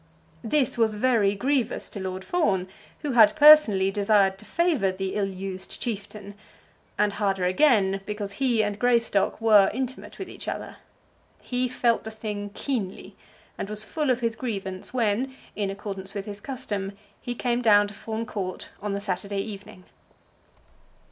This was very grievous to Lord Fawn, who had personally desired to favour the ill used chieftain; and harder again because he and Greystock were intimate with each other. He felt the thing keenly, and was full of his grievance when, in accordance with his custom, he came down to Fawn Court on the Saturday evening.